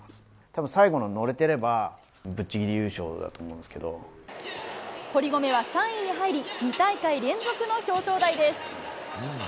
たぶん、最後の乗れてれば、ぶっちぎり優勝だと思うんですけ堀米は３位に入り、２大会連続の表彰台です。